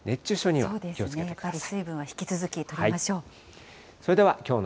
やっぱり水分は引き続きとりましょう。